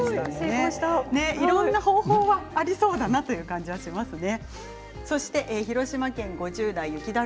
いろいろな方法はありそうだなという感じがしますね。